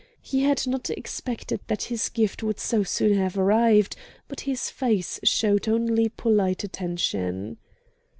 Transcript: He had not expected that his gift would so soon have arrived, but his face showed only polite attention.